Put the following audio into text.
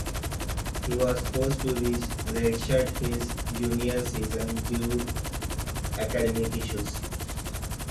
He was forced to redshirt his junior season due academic issues.